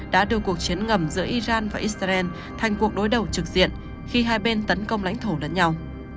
đã đưa cuộc chiến ngầm giữa iran và israel thành cuộc đối đầu trực diện khi hai bên tấn công lãnh thổ lẫn nhau